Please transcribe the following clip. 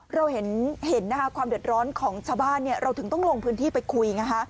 เราเห็นนะคะความเดือดร้อนของชาวบ้านเราถึงต้องลงพื้นที่ไปคุย